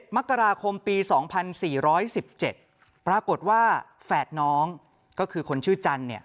มกราคมปี๒๔๑๗ปรากฏว่าแฝดน้องก็คือคนชื่อจันทร์